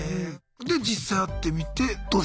で実際会ってみてどうでした？